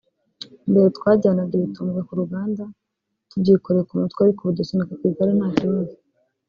mbere twajyanaga ibitumbwe ku ruganda tubyikoreye ku mutwe ariko ubu dusunika ku igare nta kibazo